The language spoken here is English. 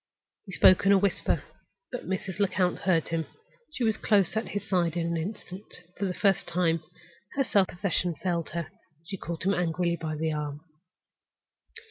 He spoke in a whisper, but Mrs. Lecount heard him. She was close at his side again in an instant. For the first time, her self possession failed her, and she caught him angrily by the arm.